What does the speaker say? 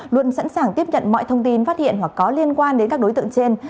luôn sẵn sàng tiếp nhận mọi thông tin phát hiện hoặc có liên quan đến các đối tượng trên